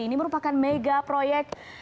ini merupakan mega proyek